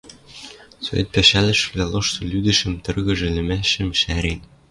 совет пӓшӓлӹшӹвлӓ лошты лӱдӹшӹм, тыргыж ӹлӹмӓшӹм шӓрен.